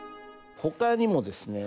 ほかにもですね